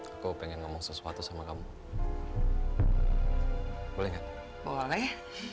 aku pengen ngomong sesuatu sama kamu boleh boleh